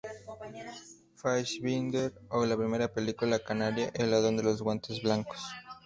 Fassbinder o la primera película canaria, "El ladrón de los guantes blancos".